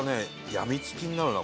やみつきになるな。